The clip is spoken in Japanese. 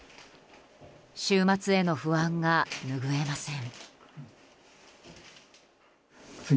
週末への不安が拭えません。